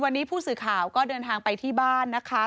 วันนี้ผู้สื่อข่าวก็เดินทางไปที่บ้านนะคะ